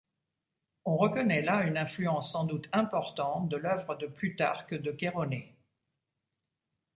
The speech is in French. On reconnaît là une influence sans doute importante de l’œuvre de Plutarque de Chéronée.